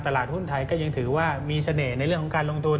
ตลาดหุ้นไทยก็ยังถือว่ามีเสน่ห์ในเรื่องของการลงทุน